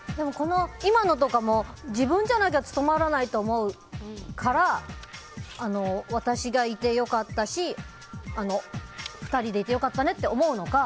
今のも自分じゃないと務まらないと思うから私がいて良かったし２人でいて良かったねと思うのか